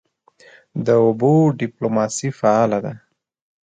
د اوبو ډیپلوماسي فعاله ده؟